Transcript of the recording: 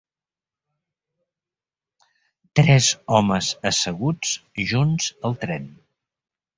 Tres homes asseguts junts al tren.